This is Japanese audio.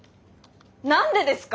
何でですか？